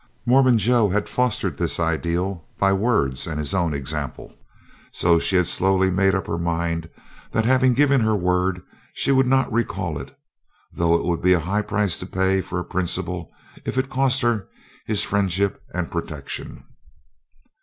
Mormon Joe had fostered this ideal by words and his own example. So she had slowly made up her mind that having given her word she would not recall it, though it would be a high price to pay for a principle if it cost her his friendship and protection.